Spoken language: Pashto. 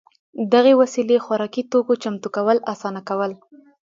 دغې وسیلې خوراکي توکو چمتو کول اسانه کول